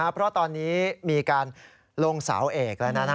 เพราะตอนนี้มีการลงสาวเอกแล้วนะ